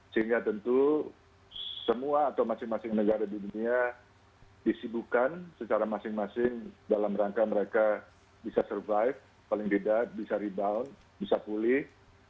sehingga tentu semua atau masing masing negara di dunia disibukan secara masing masing dalam rangka mereka bisa survive paling tidak bisa rebound bisa pulih